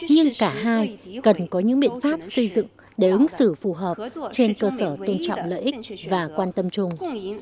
nhưng cả hai cần có những biện pháp xây dựng để ứng xử phù hợp trên cơ sở tôn trọng lợi ích và quan tâm chung